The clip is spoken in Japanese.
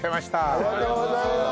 ありがとうございます！